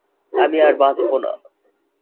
আমি আর বাঁচবো না।